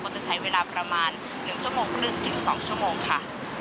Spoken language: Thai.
จะใช้เวลาประมาณ๑ชั่วโมงครึ่งถึง๒ชั่วโมงค่ะ